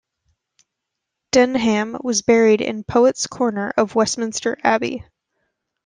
Denham was buried in Poets' Corner of Westminster Abbey.